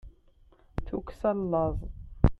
tukksa n laẓ